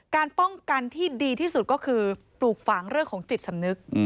การป้องกันที่ดีที่สุดก็คือปลูกฝังเรื่องของจิตสำนึก